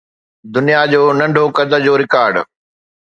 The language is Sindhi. دنيا جو ننڍو قد جو رڪارڊ